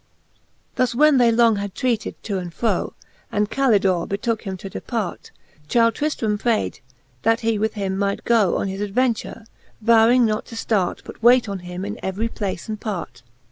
Thus when they long had treated to and fro, And Calf dor e betooke him to depart, Chyld Trijlram prayd, that he with liim might goe On his adventure, vowing not to ftart, But wayt on him in every place and part.